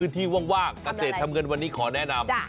พื้นที่ว่างกระเศษทำเงินวันนี้ขอแนะนำ